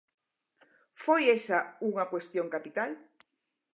Foi esa unha cuestión capital?